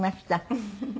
フフフフ。